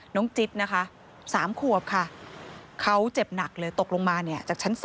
จิตนะคะ๓ขวบค่ะเขาเจ็บหนักเลยตกลงมาจากชั้น๓